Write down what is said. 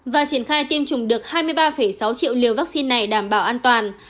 và triển khai tiêm chủng được hai mươi ba sáu triệu liều vaccine này đảm bảo an toàn